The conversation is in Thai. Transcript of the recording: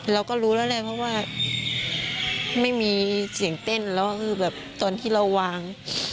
เราก็รู้แล้วแหละเพราะว่าไม่มีเสียงเต้นแล้วคือแบบตอนที่เราวาง